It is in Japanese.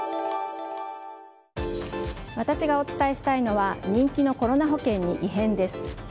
私がお伝えしたいのは人気のコロナ保険に異変です。